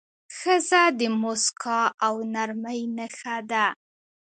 ښځه د موسکا او نرمۍ نښه ده.